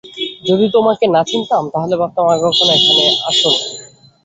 যদি তোমাকে না চিনতাম, তাহলে ভাবতাম আগে কখনো এখানে আসোনি।